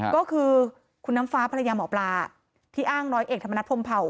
ก็คือคุณน้ำฟ้าภรรยาหมอปลาที่อ้างร้อยเอกธรรมนัฐพรมเผา